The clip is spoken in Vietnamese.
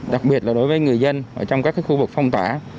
đặc biệt là đối với người dân trong các khu vực phong tỏa